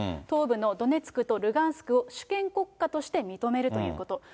東部のドネツクとルガンスクを主権国家として認めるということ。